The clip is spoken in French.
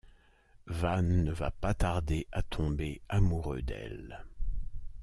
Van ne va pas tarder à tomber amoureux d'elle.